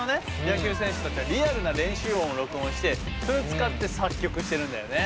野球選手たちのリアルな練習音を録音してそれを使って作曲してるんだよね。